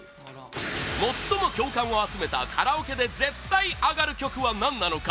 最も共感を集めたカラオケで絶対アガる曲は何なのか？